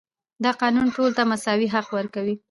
دا قانون ټولو ته مساوي حق ورکوي.